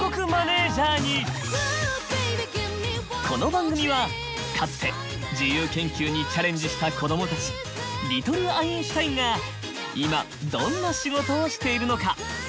この番組はかつて自由研究にチャレンジした子どもたち“リトル・アインシュタイン”が今どんな仕事をしているのか？